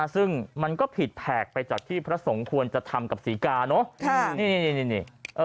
ซึ่งมันก็ผิดแผกไปจากที่พระสงฆ์ควรจะทำกับศรีกาเนอะ